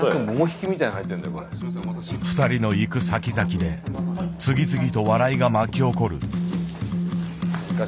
ふたりの行く先々で次々と笑いが巻き起こる。